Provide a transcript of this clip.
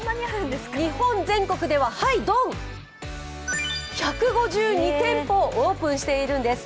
日本全国では１５２店舗オープンしているんです。